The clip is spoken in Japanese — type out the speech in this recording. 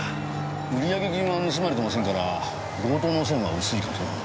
売上金は盗まれてませんから強盗の線は薄いかと。